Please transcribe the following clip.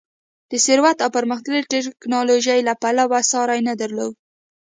د ثروت او پرمختللې ټکنالوژۍ له پلوه ساری نه درلود.